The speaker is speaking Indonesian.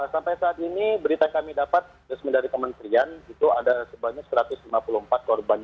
sampai saat ini berita yang kami dapat resmi dari kementerian itu ada sebanyak satu ratus lima puluh empat korban